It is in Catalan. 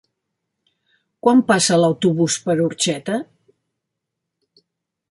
Quan passa l'autobús per Orxeta?